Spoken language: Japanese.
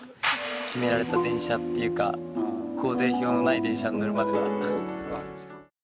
決められた電車っていうか工程表のない電車に乗るまでは。